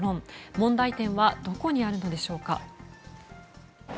問題点はどこにあるのでしょうか？